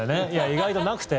意外となくて。